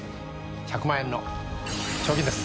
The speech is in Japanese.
１００万円の賞金です。